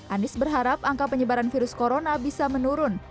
anies berharap angka penyebaran virus corona bisa menurun